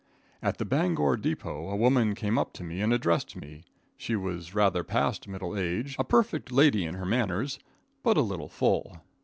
At the Bangor depot a woman came up to me and addressed me. She was rather past middle age, a perfect lady in her manners, but a little full.